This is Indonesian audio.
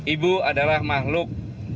ibu adalah mahluk